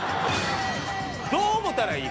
どう思ったらいい？